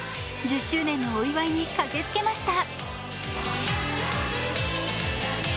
１０周年のお祝いに駆けつけました。